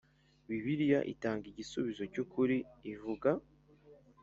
bibiliya itanga igisubizo cy’ukuri ivuga